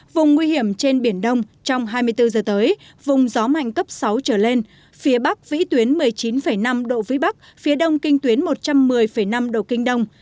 vùng nguy hiểm trên biển đông trong hai mươi bốn giờ tới vùng gió mạnh cấp sáu trở lên phía bắc vĩ tuyến một mươi chín năm độ vĩ bắc phía đông kinh tuyến một trăm một mươi năm độ kinh đông